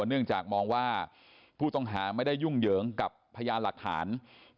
เนื่องจากมองว่าผู้ต้องหาไม่ได้ยุ่งเหยิงกับพยานหลักฐาน